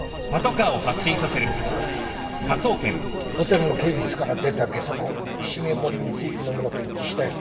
ホテルの警備室から出たゲソ痕繁森光之のものと一致したよ。